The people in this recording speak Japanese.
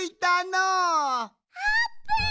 あーぷん！